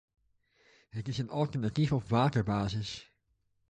Het is een alternatief op waterbasis.